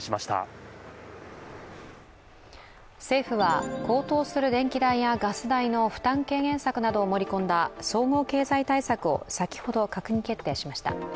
政府は高騰する電気代やガス代の負担軽減策などを盛り込んだ総合経済対策を先ほど閣議決定しました。